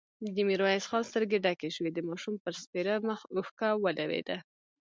د ميرويس خان سترګې ډکې شوې، د ماشوم پر سپېره مخ اوښکه ولوېده.